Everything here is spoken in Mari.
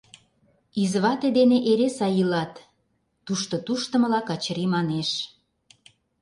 — Извате дене эре сай илат, — тушто туштымыла Качыри манеш.